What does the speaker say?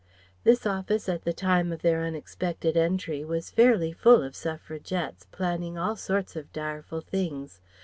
This office at the time of their unexpected entry was fairly full of Suffragettes planning all sorts of direful things.